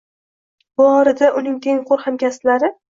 Bu orada uning tengqur hamkasblari